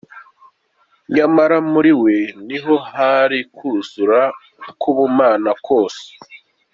Nyamara muri we ni ho hari kuzura k’Ubumana kose